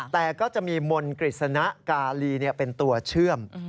แต่ก็จะมีมนต์กฤษณะกาลีเป็นตัวเชื่อม